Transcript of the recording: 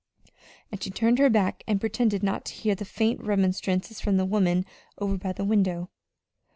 And she turned her back and pretended not to hear the faint remonstrances from the woman over by the window.